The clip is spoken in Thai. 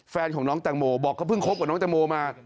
แฟนของน้องแตงโมบอกก็เพิ่งคบกับน้องแตงโมมา